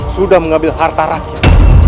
sudah mengambil harta rakyat